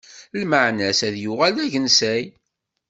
Lmeɛna-s ad yuɣal d agensay.